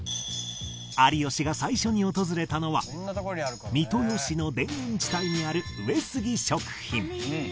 有吉が最初に訪れたのは三豊市の田園地帯にある上杉食品